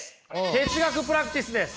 哲学プラクティスです！